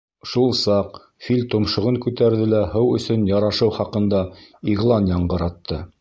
Шул саҡ фил томшоғон күтәрҙе лә һыу өсөн ярашыу хаҡында иғлан яңғыратты.